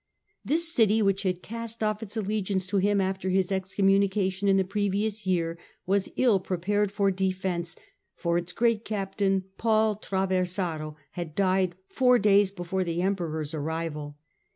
This city, which had cast off its allegiance to him after his excom munication in the previous year, was ill prepared for defence, for its great captain, Paul Traversaro, had died four days before the Emperor's arrival.